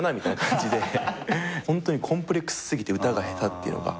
ホントにコンプレックス過ぎて歌が下手っていうのが。